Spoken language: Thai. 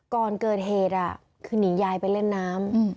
ก่อนเกิดเหตุคือหนียายไปเล่นน้ำ